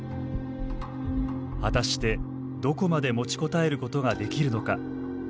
果たしてどこまで持ちこたえることができるのか。